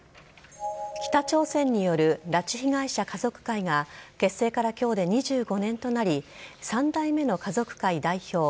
北朝鮮による拉致被害者家族会が結成から今日で２５年となり３代目の家族会代表